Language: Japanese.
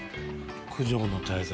「九条の大罪」。